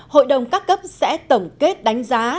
hội đồng các cấp sẽ tổng kết đánh giá